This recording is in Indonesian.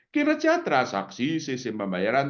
kira kira transaksi sistem pembayaran